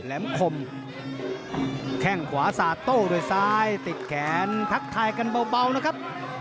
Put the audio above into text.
แหมคมแข้งขวาสาดโต้ด้วยซ้ายติดแขนทักทายกันเบานะครับ